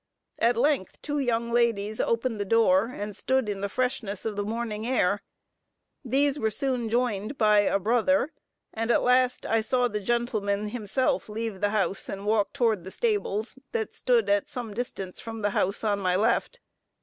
At length two young ladies opened the door, and stood in the freshness of the morning air. These were soon joined by a brother; and at last I saw the gentleman himself leave the house and walk towards the stables, that stood at some distance from the house on my left.